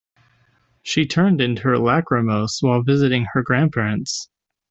She turned into her lachrymosity while visiting her grandparents.